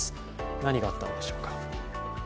何があったんでしょうか。